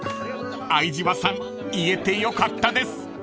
［相島さん言えてよかったです］